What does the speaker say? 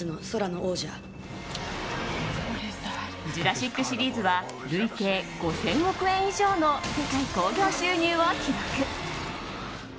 「ジュラシック」シリーズは累計５０００億円以上の世界興行収入を記録。